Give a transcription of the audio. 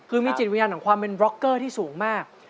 คือมีจิตวิญญาณของความเป็นบล็อกเกอร์ที่สูงมาก